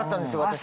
私。